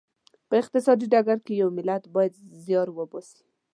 په اقتصادي ډګر کې یو ملت باید زیار وباسي.